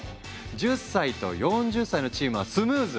１０歳と４０歳のチームはスムーズ！